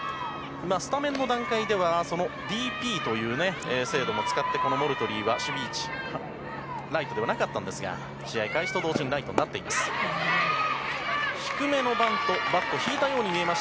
スタメンの段階ではＤＰという制度も使ってモルトゥリーは守備位置ライトではなかったんですが試合開始と同時にライトになっています。